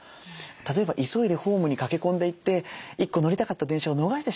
例えば急いでホームに駆け込んでいって一個乗りたかった電車を逃してしまった。